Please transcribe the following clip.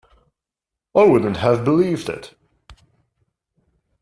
I wouldn't have believed it.